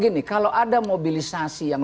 gini kalau ada mobilisasi yang